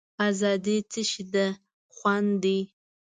آزادي څه شی ده خوند دی.